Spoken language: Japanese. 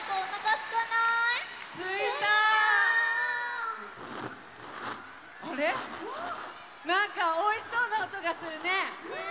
なんかおいしそうなおとがするね。